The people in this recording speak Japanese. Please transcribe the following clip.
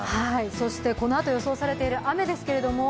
そしてこのあと予想されている雨です。